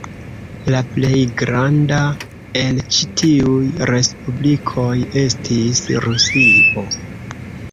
La plej granda el ĉi tiuj respublikoj estis Rusio.